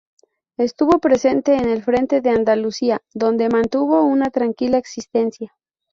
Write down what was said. Estuvo presente en el Frente de Andalucía, donde mantuvo una tranquila existencia.